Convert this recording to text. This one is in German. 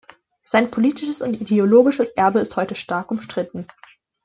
Sein politisches und ideologisches Erbe ist heute stark umstritten.